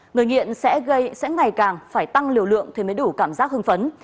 người nghiện sẽ ngày càng phải tăng liều lượng thì mới đủ cảm giác hưng phấn